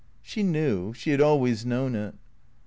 She knew. She had always known it.